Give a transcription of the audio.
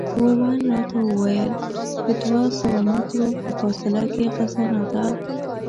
وون راته وویل چې دوه سوه مترو په فاصله کې خزانه ده.